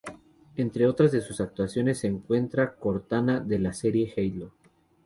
Entre otras de sus actuaciones se encuentra Cortana de la Serie "Halo".